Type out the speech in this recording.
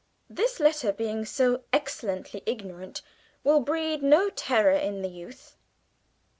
_ "This letter being so excellently ignorant will breed no terror in the youth."